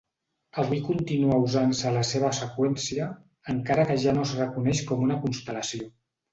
Avui continua usant-se la seva seqüència, encara que ja no es reconeix com una constel·lació.